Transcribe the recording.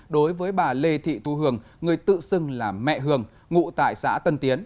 đối với bà lê thị thu hường người tự xưng là mẹ hường ngụ tại xã tân tiến